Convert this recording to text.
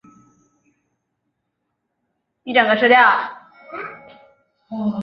期间多话的麦克斯向乔治透露是受友人之托来杀对象。